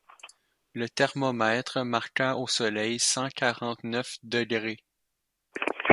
Le thermomètre marqua au soleil cent quarante-neuf degrés.